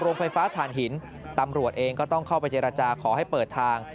โรงไฟฟ้าฐานหินตำรวจเองก็ต้องเข้าไปเจรจาขอให้เปิดทาง